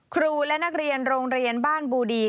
ครูและนักเรียนโรงเรียนบ้านบูดี